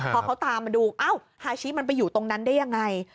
พอเขาตามมาดูอ้าวฮาชิมันไปอยู่ตรงนั้นได้ยังไง